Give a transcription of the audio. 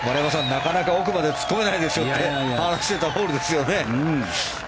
なかなか奥まで突っ込めないと話していたホールですよね。